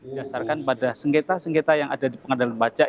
dasarkan pada sengketa sengketa yang ada di pengadilan pajak